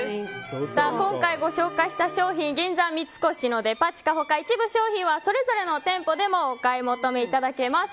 今回、ご紹介した商品は銀座三越のデパ地下他、一部商品はそれぞれの店舗でもお買い求めいただけます。